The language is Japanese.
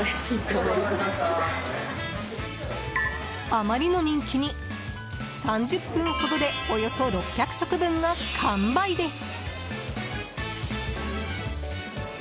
あまりの人気に３０分ほどでおよそ６００食分が完売です！